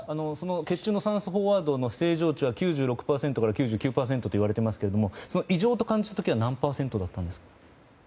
血中の捜査飽和度の正常値は９６％から９９％といわれていますが異常と感じた時は何パーセントだったんですか？